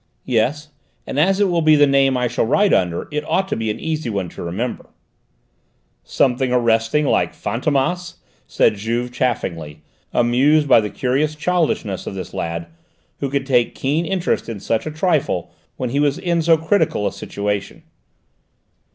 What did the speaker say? "Yes; and as it will be the name I shall write under it ought to be an easy one to remember." "Something arresting, like Fantômas!" said Juve chaffingly, amused by the curious childishness of this lad, who could take keen interest in such a trifle when he was in so critical a situation.